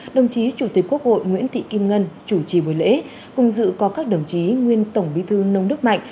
đồng chí chủ tịch quốc hội nguyễn thị kim ngân chủ trì buổi lễ cùng dự có các đồng chí nguyên tổng bí thư nông đức mạnh